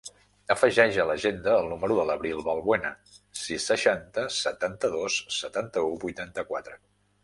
Afegeix a l'agenda el número de l'Abril Valbuena: sis, seixanta, setanta-dos, setanta-u, vuitanta-quatre.